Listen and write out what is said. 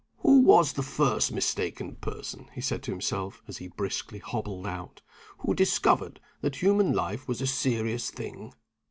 "Who was the first mistaken person," he said to himself, as he briskly hobbled out, "who discovered that human life was a serious thing?